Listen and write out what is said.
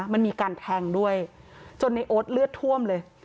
มันมีการแทงด้วยจนในโอ๊ตเลือดท่วมเลย